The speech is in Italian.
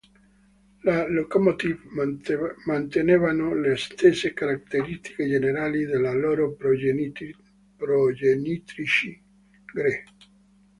Le locomotive mantenevano le stesse caratteristiche generali delle loro "progenitrici" Gr.